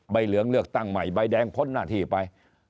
เหลืองเลือกตั้งใหม่ใบแดงพ้นหน้าที่ไป